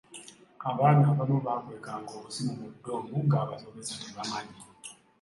Abaana abamu baakwekanga obusimu mu ddoomu ng’abasomesa tebamanyi.